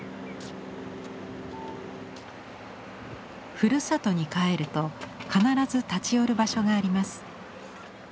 ふるさとに帰ると必ず立ち寄る場所があります。